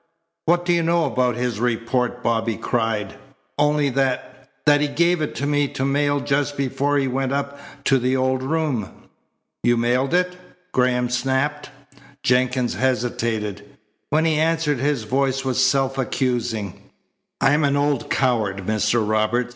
"What do you know about his report?" Bobby cried. "Only that that he gave it to me to mail just before he went up to the old room." "You mailed it?" Graham snapped. Jenkins hesitated. When he answered his voice was self accusing. "I'm an old coward, Mr. Robert.